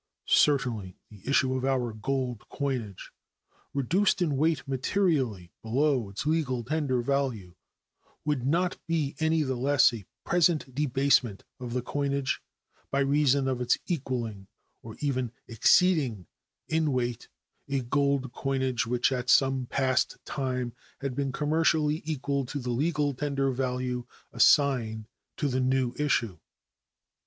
Certainly the issue of our gold coinage, reduced in weight materially below its legal tender value, would not be any the less a present debasement of the coinage by reason of its equaling, or even exceeding, in weight a gold coinage which at some past time had been commercially equal to the legal tender value assigned to the new issue.